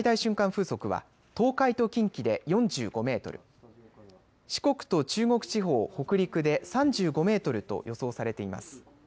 風速は東海と近畿で４５メートル、四国と中国地方、北陸で３５メートルと予想されています。